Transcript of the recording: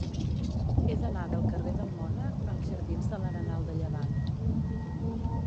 He d'anar del carrer d'en Mònec als jardins de l'Arenal de Llevant.